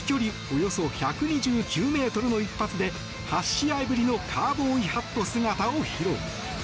およそ１２９ｍの一発で８試合ぶりのカウボーイハット姿を披露。